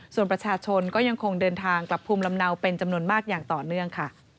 ส่วนประชาชนก็ยังคงเดินทางกลับภูมิลำเนาเป็นจำนวนมากอย่างต่อเนื่องค่ะ